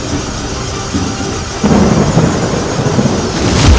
seorang usir nyai kessaing